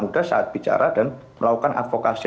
muda saat bicara dan melakukan advokasi